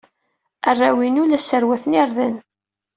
Arraw-inu la sserwaten irden.